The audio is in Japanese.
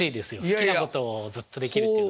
好きなことをずっとできるっていうの。